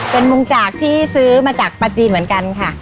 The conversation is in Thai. เป็นมุงจากที่ซื้อมาจากปลาจีนเหมือนกันค่ะ